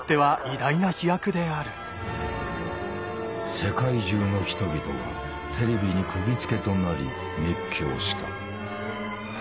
世界中の人々がテレビにくぎづけとなり熱狂した。